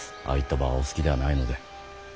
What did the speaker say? ああいった場はお好きではないので。